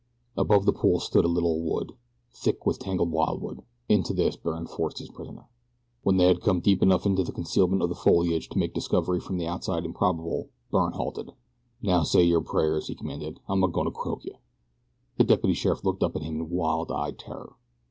Above the pool stood a little wood, thick with tangled wildwood. Into this Byrne forced his prisoner. When they had come deep enough into the concealment of the foliage to make discovery from the outside improbable Byrne halted. "Now say yer prayers," he commanded. "I'm a going to croak yeh." The deputy sheriff looked up at him in wild eyed terror.